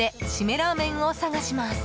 ラーメンを探します。